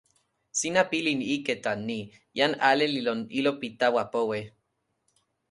sina pilin ike tan ni: jan ale li lon ilo pi tawa powe.